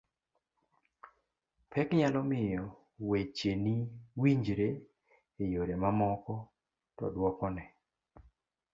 pek nyalo miyo weche ni winjre e yore mamoko to duokone